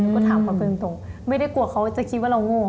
ก็ถามเขาตรงไม่ได้กลัวเขาจะคิดว่าเราโง่